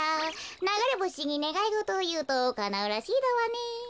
ながれぼしにねがいごとをいうとかなうらしいだわね。